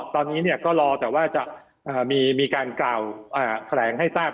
ตอนนี้ก็รอแต่ว่าจะมีการกล่าวแถลงให้ทราบ